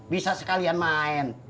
bisa sekalian main